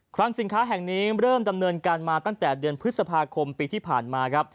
ครั้งสินค้าแห่งนี้เริ่มดำเนินการมาตั้งแต่เดือนพฤษภาคมปีที่ผ่านมาครับ